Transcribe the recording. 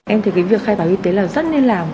em thấy cái việc khai báo y tế là rất nên làm